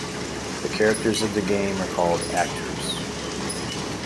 The characters of the game are called "actors".